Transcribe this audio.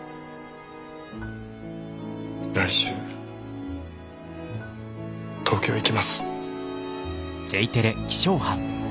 来週東京行きます。